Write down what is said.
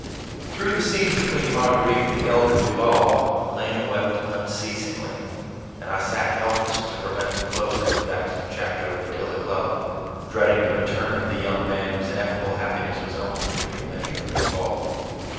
Through the scene between Marguerite and the elder Duval, Lena wept unceasingly, and I sat helpless to prevent the closing of that chapter of idyllic love, dreading the return of the young man whose ineffable happiness was only to be the measure of his fall.